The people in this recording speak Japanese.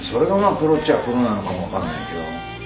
プロっちゃあプロなのかも分かんないけど。